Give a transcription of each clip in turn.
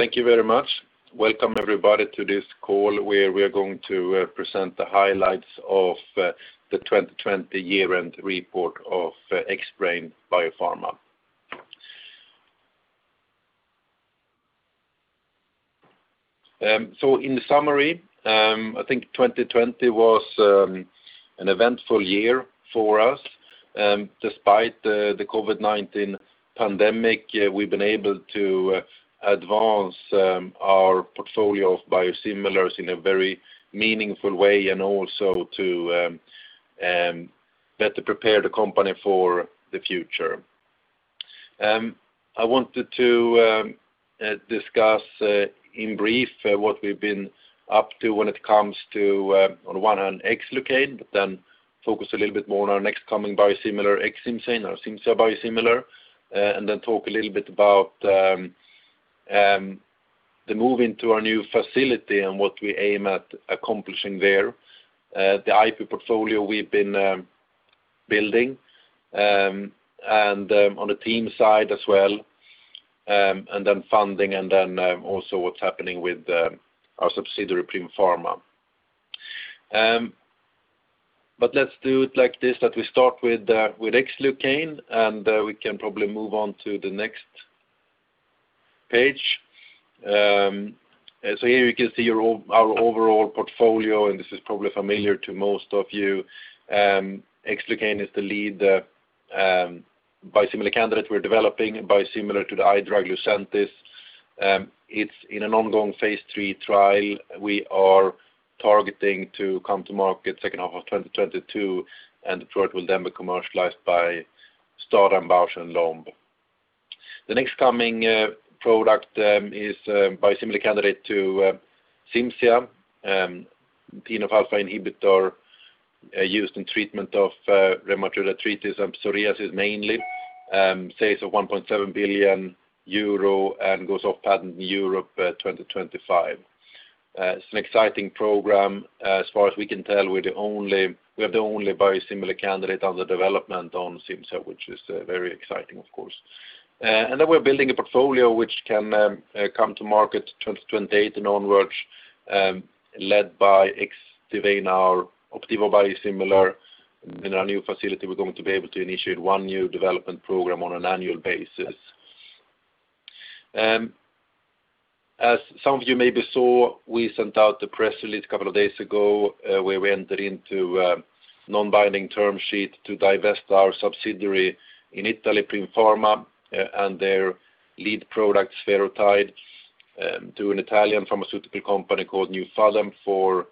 Thank you very much. Welcome everybody to this call, where we are going to present the highlights of the 2020 year-end report of Xbrane Biopharma. In summary, I think 2020 was an eventful year for us. Despite the COVID-19 pandemic, we've been able to advance our portfolio of biosimilars in a very meaningful way and also to better prepare the company for the future. I wanted to discuss in brief what we've been up to when it comes to, on one hand, Ximluci, but then focus a little bit more on our next coming biosimilar, Xcimzane, our Cimzia biosimilar, and then talk a little bit about the move into our new facility and what we aim at accomplishing there, the IP portfolio we've been building, and on the team side as well, and then funding, and then also what's happening with our subsidiary, Primm Pharma. Let's do it like this, that we start with Ximluci, we can probably move on to the next page. Here you can see our overall portfolio, this is probably familiar to most of you. Ximluci is the lead biosimilar candidate we're developing, biosimilar to the eye drug Lucentis. It's in an ongoing phase III trial. We are targeting to come to market second half of 2022, the product will then be commercialized by STADA and Bausch + Lomb. The next coming product is a biosimilar candidate to Cimzia, a TNF-alpha inhibitor used in treatment of rheumatoid arthritis and psoriasis mainly. Sales are 1.7 billion euro goes off patent in Europe 2025. It's an exciting program. As far as we can tell, we have the only biosimilar candidate under development on Cimzia, which is very exciting, of course. We're building a portfolio which can come to market 2028 and onwards, led by Xdivane, our Opdivo biosimilar. In our new facility, we're going to be able to initiate one new development program on an annual basis. Some of you maybe saw, we sent out a press release a couple of days ago where we entered into a non-binding term sheet to divest our subsidiary in Italy, Primm Pharma, and their lead product, Spherotide, to an Italian pharmaceutical company called New.Fa.Dem. S.r.l. for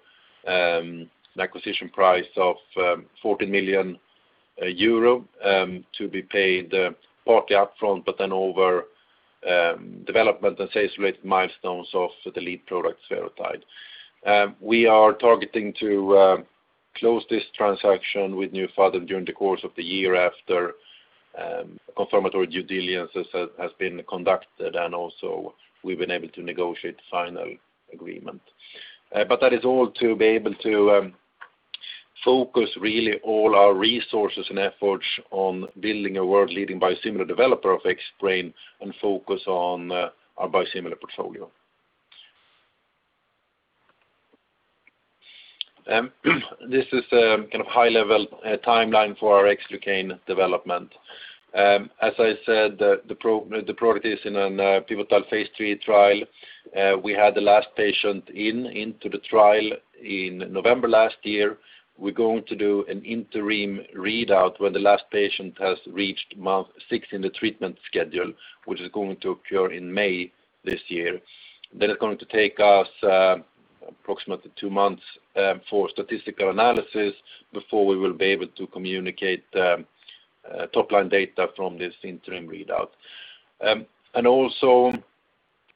an acquisition price of 14 million euro to be paid partly upfront, but then over development and sales-related milestones of the lead product, Spherotide. We are targeting to close this transaction with New.Fa.Dem. S.r.l. during the course of the year after confirmatory due diligence has been conducted and also we've been able to negotiate the final agreement. That is all to be able to focus really all our resources and efforts on building a world-leading biosimilar developer of Xbrane and focus on our biosimilar portfolio. This is a high-level timeline for our Ximluci development. As I said, the product is in a pivotal phase III trial. We had the last patient into the trial in November last year. We're going to do an interim readout when the last patient has reached month six in the treatment schedule, which is going to occur in May this year. It's going to take us approximately two months for statistical analysis before we will be able to communicate top-line data from this interim readout. Also,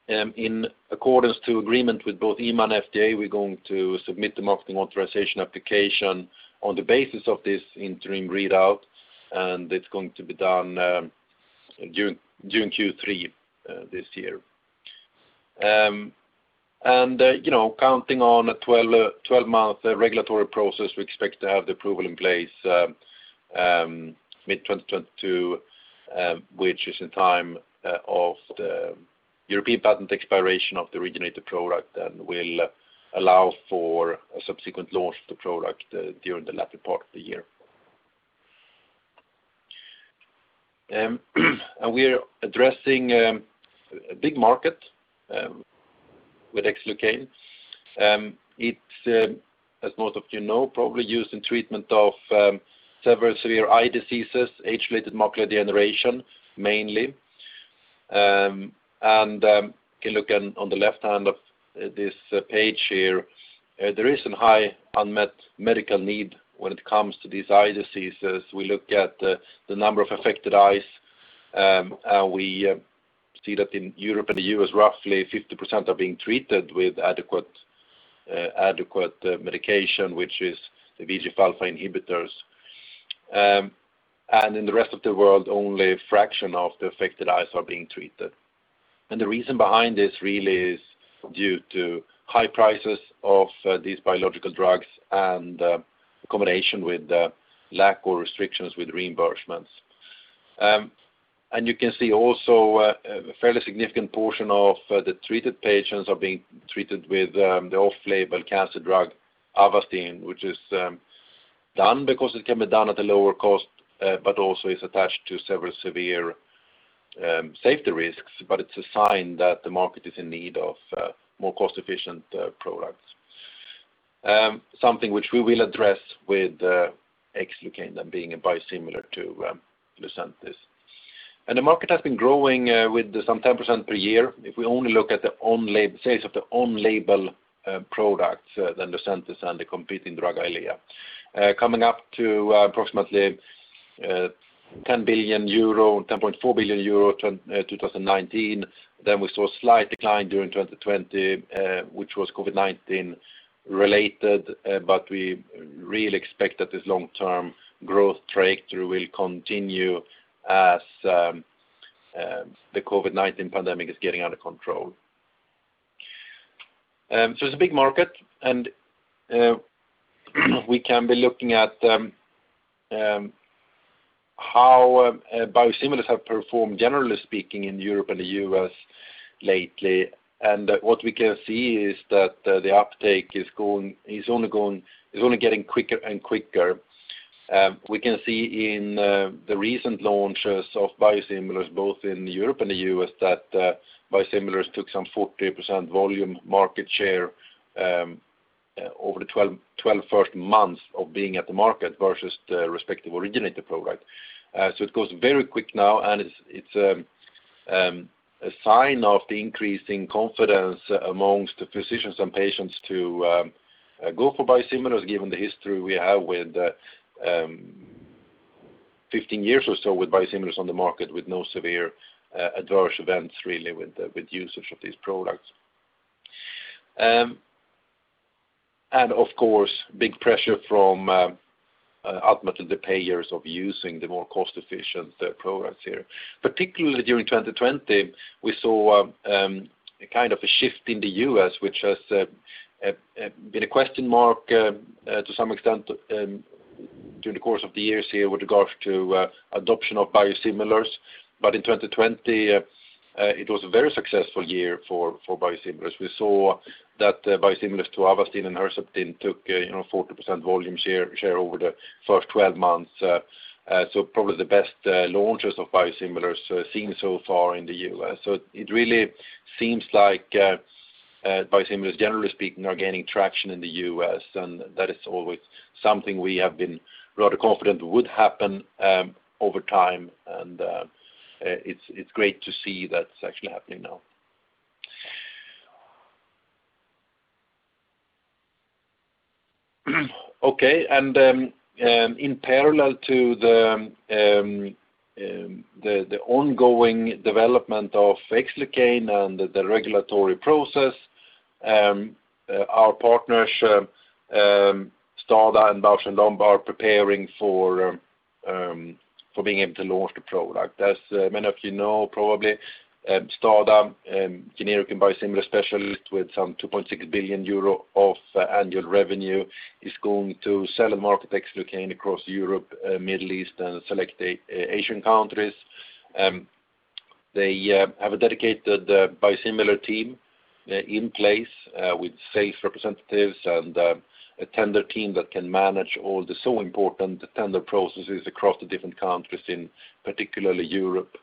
in accordance to agreement with both EMA and FDA, we're going to submit the Marketing Authorisation Application on the basis of this interim readout, and it's going to be done during Q3 this year. Counting on a 12-month regulatory process, we expect to have the approval in place mid-2022, which is in time of the European patent expiration of the originator product and will allow for a subsequent launch of the product during the latter part of the year. We're addressing a big market with Ximluci. It's, as most of you know, probably used in treatment of several severe eye diseases, age-related macular degeneration mainly. You can look on the left-hand of this page here. There is a high unmet medical need when it comes to these eye diseases. We look at the number of affected eyes, and we see that in Europe and the U.S., roughly 50% are being treated with adequate medication, which is the VEGF alpha inhibitors. In the rest of the world, only a fraction of the affected eyes are being treated. The reason behind this really is due to high prices of these biological drugs and a combination with lack or restrictions with reimbursements. You can see also a fairly significant portion of the treated patients are being treated with the off-label cancer drug Avastin, which is done because it can be done at a lower cost, but also is attached to several severe safety risks. It's a sign that the market is in need of more cost-efficient products. Something which we will address with Ximluci then being a biosimilar to Lucentis. The market has been growing with 10% per year. If we only look at the sales of the on-label products, then Lucentis and the competing drug EYLEA. Coming up to approximately 10.4 billion euro, 2019. We saw a slight decline during 2020, which was COVID-19 related. We really expect that this long-term growth trajectory will continue as the COVID-19 pandemic is getting under control. It's a big market, and we can be looking at how biosimilars have performed, generally speaking, in Europe and the U.S. lately. What we can see is that the uptake is only getting quicker and quicker. We can see in the recent launches of biosimilars, both in Europe and the U.S., that biosimilars took 40% volume market share over the 12 first months of being at the market versus the respective originator product. It goes very quick now, and it's a sign of the increasing confidence amongst the physicians and patients to go for biosimilars, given the history we have with 15 years or so with biosimilars on the market with no severe adverse events, really, with usage of these products. Of course, big pressure from ultimately the payers of using the more cost-efficient products here. Particularly during 2020, we saw a shift in the U.S., which has been a question mark to some extent during the course of the years here with regards to adoption of biosimilars. In 2020, it was a very successful year for biosimilars. We saw that biosimilars to Avastin and Herceptin took 40% volume share over the first 12 months. Probably the best launches of biosimilars seen so far in the U.S. It really seems like biosimilars, generally speaking, are gaining traction in the U.S., and that is always something we have been rather confident would happen over time, and it's great to see that it's actually happening now. In parallel to the ongoing development of Ximluci and the regulatory process, our partners STADA and Bausch + Lomb are preparing for being able to launch the product. As many of you know probably, STADA, a generic and biosimilar specialist with some 2.6 billion euro of annual revenue, is going to sell and market Ximluci across Europe, Middle East, and select Asian countries. They have a dedicated biosimilar team in place with sales representatives and a tender team that can manage all the so important tender processes across the different countries particularly Europe.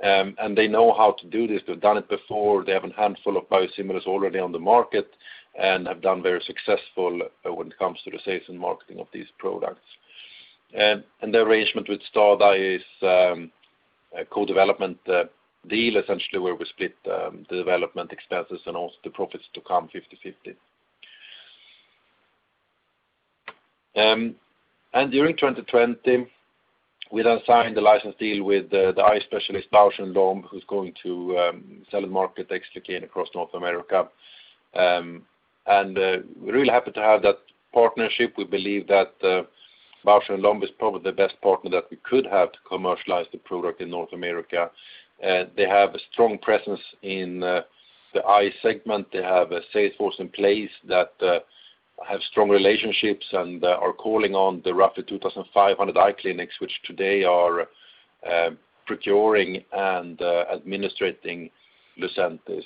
They know how to do this. They've done it before. They have a handful of biosimilars already on the market and have done very successful when it comes to the sales and marketing of these products. The arrangement with STADA is a co-development deal, essentially, where we split the development expenses and also the profits to come 50/50. During 2020, we then signed a license deal with the eye specialist Bausch + Lomb, who's going to sell and market Ximluci across North America. We're really happy to have that partnership. We believe that Bausch + Lomb is probably the best partner that we could have to commercialize the product in North America. They have a strong presence in the eye segment. They have a sales force in place that have strong relationships and are calling on the roughly 2,500 eye clinics, which today are procuring and administrating Lucentis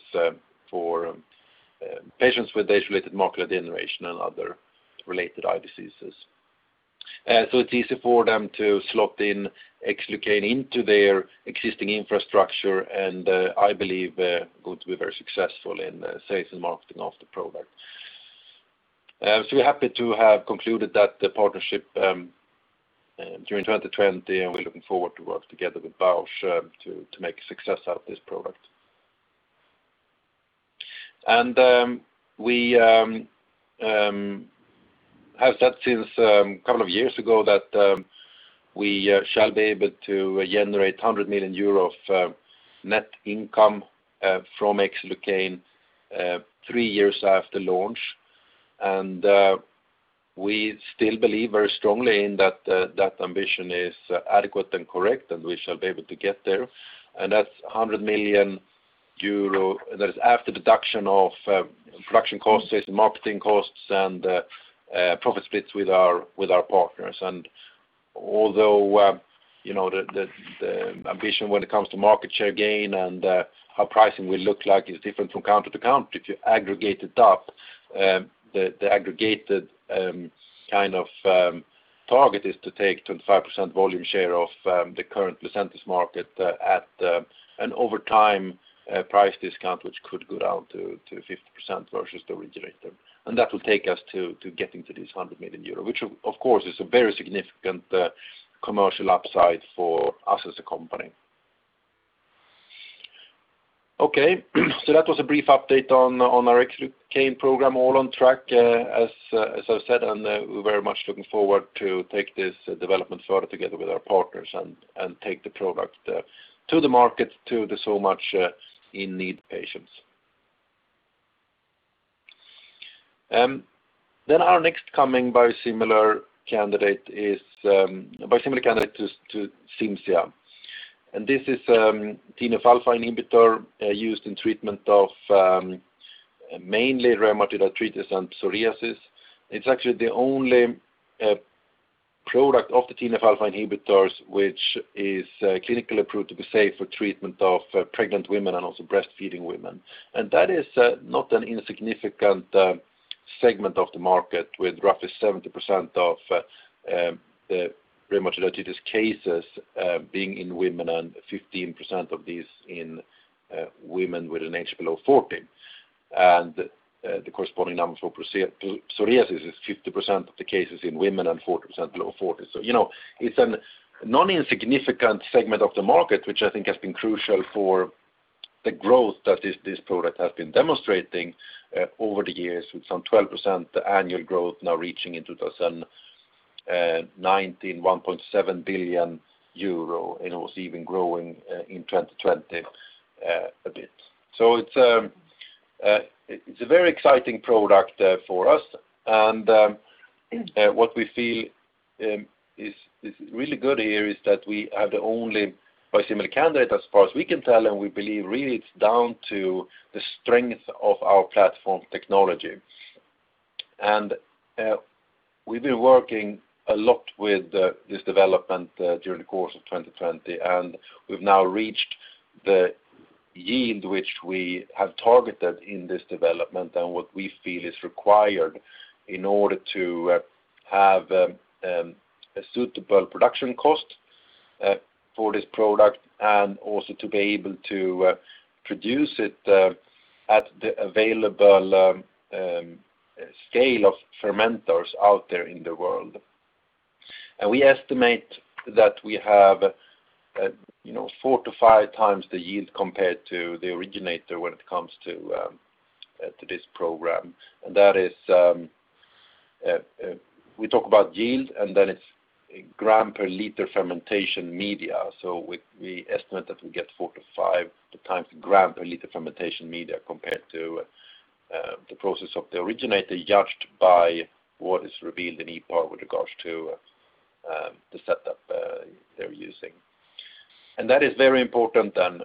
for patients with age-related macular degeneration and other related eye diseases. It's easy for them to slot in Ximluci into their existing infrastructure, and I believe going to be very successful in sales and marketing of the product. We're happy to have concluded that partnership during 2020, and we're looking forward to work together with Bausch to make a success out of this product. We have said since a couple of years ago that we shall be able to generate 100 million euros of net income from Ximluci three years after launch. We still believe very strongly in that ambition is adequate and correct, and we shall be able to get there. That's 100 million euro. That is after deduction of production costs, marketing costs, and profit splits with our partners. Although the ambition when it comes to market share gain and how pricing will look like is different from country to country, if you aggregate it up, the aggregated target is to take 25% volume share of the current Lucentis market at an over time price discount, which could go down to 50% versus the originator. That will take us to getting to this 100 million euro, which of course is a very significant commercial upside for us as a company. That was a brief update on our Ximluci program, all on track as I said, and we're very much looking forward to take this development further together with our partners and take the product to the market, to the so much in need patients. Our next coming biosimilar candidate to Cimzia. This is a TNF-alpha inhibitor used in treatment of mainly rheumatoid arthritis and psoriasis. It's actually the only product of the TNF-alpha inhibitors which is clinically approved to be safe for treatment of pregnant women and also breastfeeding women. That is not an insignificant segment of the market, with roughly 70% of the rheumatoid arthritis cases being in women and 15% of these in women with an age below 40. The corresponding numbers for psoriasis is 50% of the cases in women and 40% below 40. It's a non-insignificant segment of the market, which I think has been crucial for the growth that this product has been demonstrating over the years with some 12% annual growth now reaching in 2019, 1.7 billion euro, and it was even growing in 2020 a bit. It's a very exciting product for us. What we feel is really good here is that we are the only biosimilar candidate as far as we can tell, and we believe really it's down to the strength of our platform technology. We've been working a lot with this development during the course of 2020, and we've now reached the yield which we have targeted in this development. What we feel is required in order to have a suitable production cost for this product and also to be able to produce it at the available scale of fermenters out there in the world. We estimate that we have four to five times the yield compared to the originator when it comes to this program. We talk about yield, then it's gram per liter fermentation media. We estimate that we get four to five times gram per liter fermentation media compared to the process of the originator judged by what is revealed in EPAR with regards to the setup they're using. That is very important then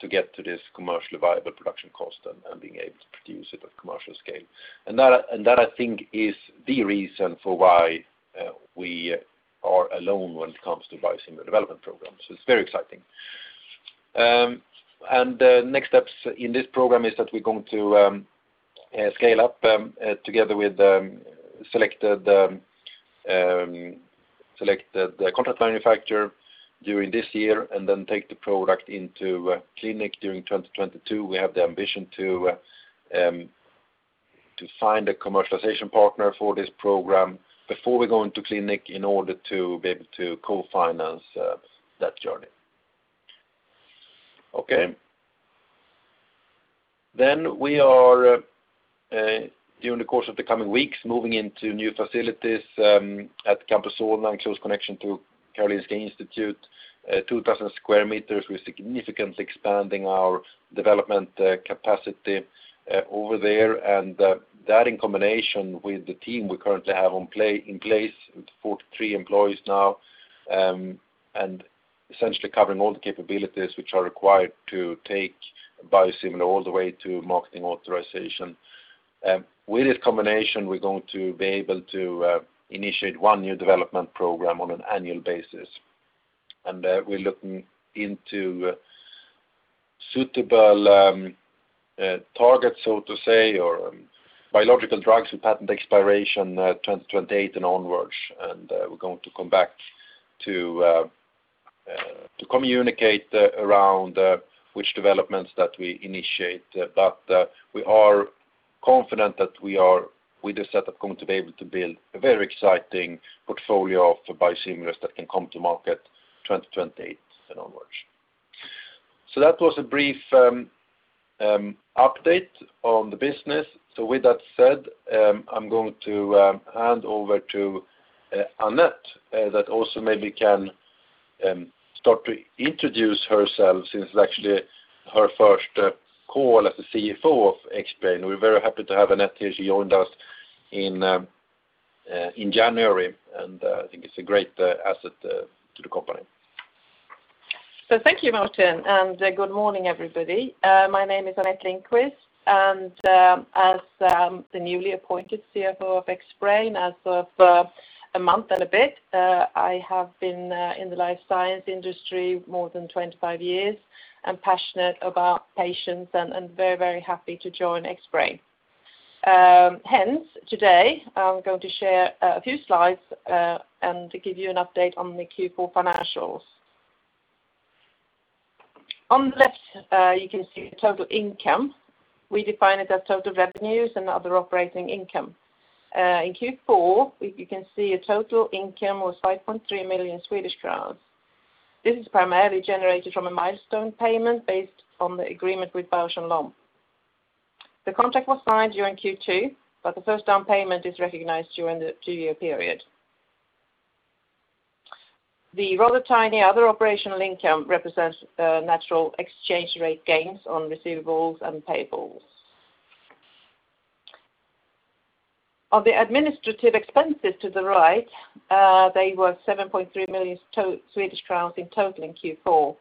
to get to this commercially viable production cost and being able to produce it at commercial scale. That I think is the reason for why we are alone when it comes to biosimilar development programs. It's very exciting. The next steps in this program is that we're going to scale up together with selected contract manufacturer during this year and then take the product into clinic during 2022. We have the ambition to find a commercialization partner for this program before we go into clinic in order to be able to co-finance that journey. Okay. We are, during the course of the coming weeks, moving into new facilities at Campus Solna in close connection to Karolinska Institute, 2,000 sq m. We're significantly expanding our development capacity over there, and that in combination with the team we currently have in place with 43 employees now, and essentially covering all the capabilities which are required to take biosimilar all the way to marketing authorization. With this combination, we're going to be able to initiate one new development program on an annual basis. We're looking into suitable targets, so to say, or biological drugs with patent expiration 2028 and onwards. We're going to come back to communicate around which developments that we initiate. We are confident that we are, with this setup, going to be able to build a very exciting portfolio of biosimilars that can come to market 2028 and onwards. That was a brief update on the business. With that said, I'm going to hand over to Anette, that also maybe can start to introduce herself since it's actually her first call as the CFO of Xbrane. We're very happy to have Anette here. She joined us in January, and I think it's a great asset to the company. Thank you, Martin, and good morning, everybody. My name is Anette Lindqvist, and as the newly appointed CFO of Xbrane as of a month and a bit, I have been in the life science industry more than 25 years. I'm passionate about patients and very happy to join Xbrane. Today I'm going to share a few slides and give you an update on the Q4 financials. On the left, you can see the total income. We define it as total revenues and other operating income. In Q4, you can see a total income was 5.3 million Swedish crowns. This is primarily generated from a milestone payment based on the agreement with Boehringer Ingelheim. The contract was signed during Q2, the first down payment is recognized during the two-year period. The rather tiny other operational income represents natural exchange rate gains on receivables and payables. Of the administrative expenses to the right, they were 7.3 million in total in Q4.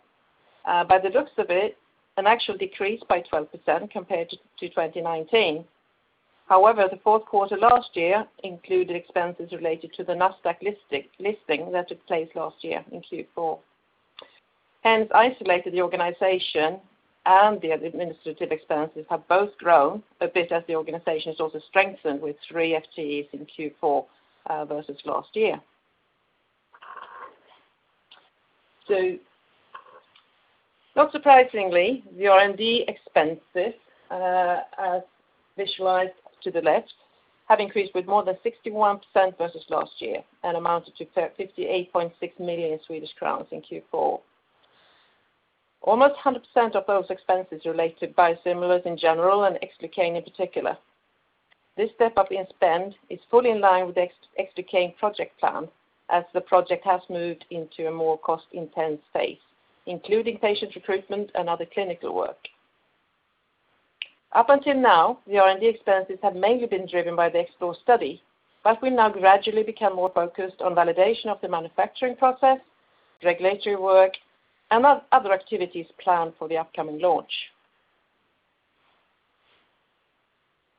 By the looks of it, an actual decrease by 12% compared to 2019. The fourth quarter last year included expenses related to the Nasdaq listing that took place last year in Q4. Isolated the organization and the administrative expenses have both grown a bit as the organization has also strengthened with three FTEs in Q4 versus last year. Not surprisingly, the R&D expenses, as visualized to the left, have increased with more than 61% versus last year and amounted to 58.6 million Swedish crowns in Q4. Almost 100% of those expenses related biosimilars in general and Ximluci in particular. This step-up in spend is fully in line with the Ximluci project plan as the project has moved into a more cost-intense phase, including patient recruitment and other clinical work. Up until now, the R&D expenses have mainly been driven by the Xplore study, will now gradually become more focused on validation of the manufacturing process, regulatory work, and other activities planned for the upcoming launch.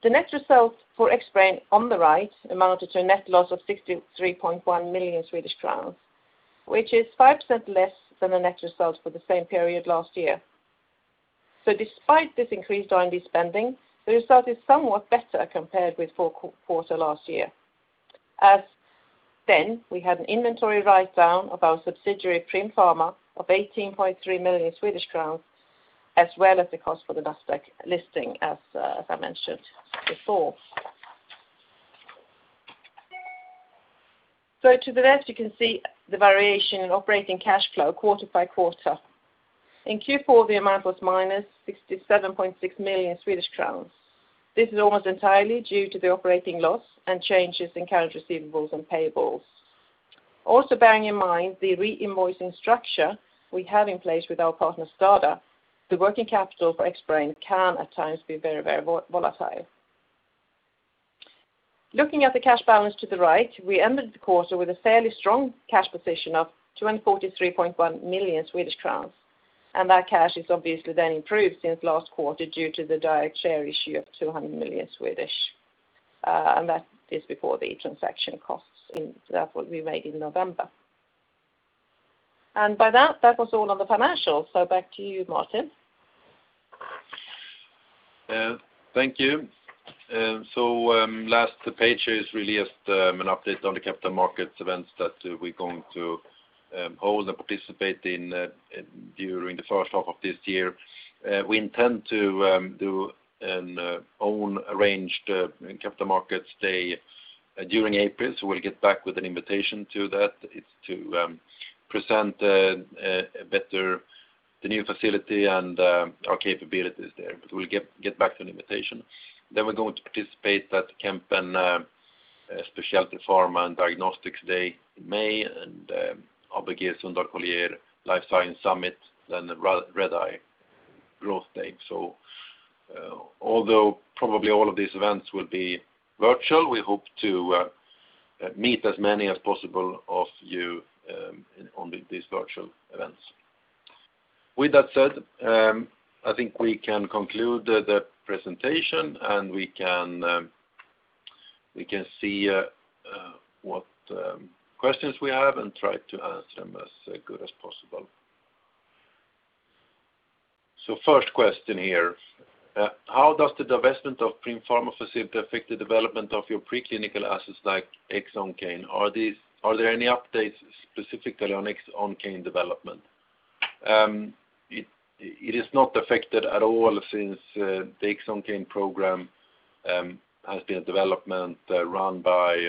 The net results for Xbrane on the right amounted to a net loss of 63.1 million Swedish crowns, which is 5% less than the net results for the same period last year. Despite this increased R&D spending, the result is somewhat better compared with the fourth quarter last year. As then, we had an inventory write-down of our subsidiary Primm Pharma of 18.3 million Swedish crowns, as well as the cost for the Nasdaq listing, as I mentioned before. To the left, you can see the variation in operating cash flow quarter by quarter. In Q4, the amount was minus 67.6 million Swedish crowns. This is almost entirely due to the operating loss and changes in current receivables and payables. Bearing in mind the reinvoicing structure we have in place with our partner STADA, the working capital for Xbrane can at times be very volatile. Looking at the cash balance to the right, we ended the quarter with a fairly strong cash position of 243.1 million Swedish crowns. That cash has obviously improved since last quarter due to the direct share issue of 200 million. That is before the transaction costs in that what we made in November. By that was all on the financials. Back to you, Martin. Thank you. Last page is really just an update on the capital markets events that we're going to hold and participate in during the first half of this year. We intend to do an own arranged capital markets day during April, so we'll get back with an invitation to that. It's to present better the new facility and our capabilities there, but we'll get back to an invitation. We're going to participate at the Kempen Specialty Pharma and Diagnostics Day in May, and ABG Sundal Collier Life Science Summit, then the Redeye Growth Day. Although probably all of these events will be virtual, we hope to meet as many as possible of you on these virtual events. With that said, I think we can conclude the presentation, and we can see what questions we have and try to answer them as good as possible. First question here. How does the divestment of Primm Pharma Facile affect the development of your preclinical assets like Xoncane? Are there any updates specifically on Xoncane development? It is not affected at all since the Xoncane program has been a development run by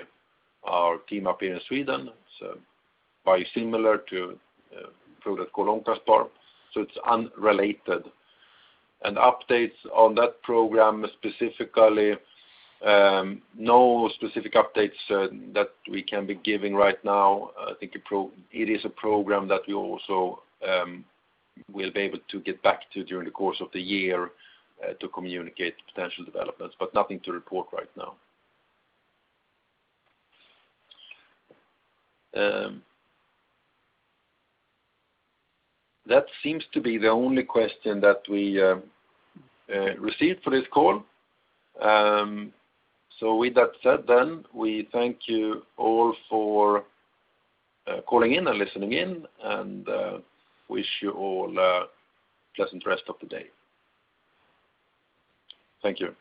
our team up here in Sweden, biosimilar to product Oncaspar. It's unrelated. Updates on that program specifically, no specific updates that we can be giving right now. I think it is a program that we also will be able to get back to during the course of the year to communicate potential developments, nothing to report right now. That seems to be the only question that we received for this call. With that said then, we thank you all for calling in and listening in and wish you all a pleasant rest of the day. Thank you.